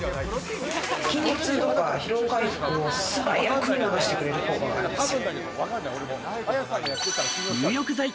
筋肉痛とか疲労回復を素早く促してくれる効果があるんですよ。